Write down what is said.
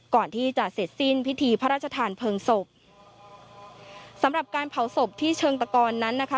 ก่อนที่จะเสร็จสิ้นพิธีพระราชทานเพลิงศพสำหรับการเผาศพที่เชิงตะกอนนั้นนะคะ